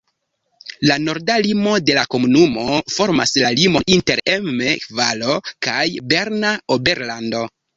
La norda limo de la komunumo formas la limon inter Emme-Valo kaj Berna Oberlando.